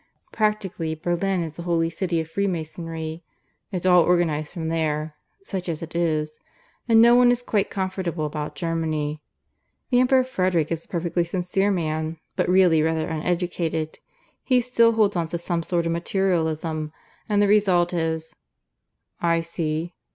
Practically Berlin is the Holy City of Freemasonry. It's all organized from there such as it is. And no one is quite comfortable about Germany. The Emperor Frederick is a perfectly sincere man, but really rather uneducated; he still holds on to some sort of materialism; and the result is " "I see."